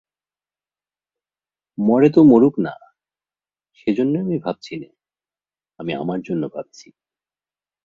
মরে তো মরুক-না, সেজন্য আমি ভাবছি নে– আমি আমার জন্যে ভাবছি।